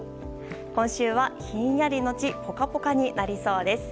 今週は、ヒンヤリのちポカポカになりそうです。